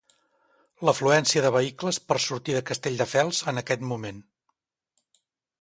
L'afluència de vehicles per sortir de Castelldefels en aquest moment.